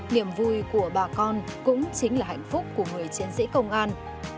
niềm vui của bà con cũng chính là hạnh phúc của người chiến sĩ công an